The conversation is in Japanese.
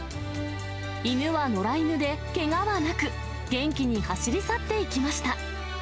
犬は野良犬で、けがはなく、元気に走り去っていきました。